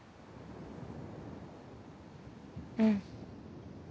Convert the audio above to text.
うん。